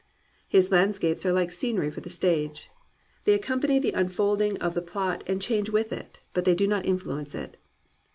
His landscapes are Uke scenery for the stage. They accompany the un folding of the plot and change with it, but they do not influence it.